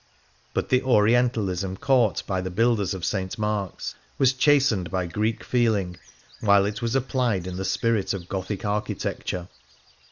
But the Orient alism caught by the builders of St. Mark's was chastened by Greek feeling, while it was applied in the spirit of Gothic architecture.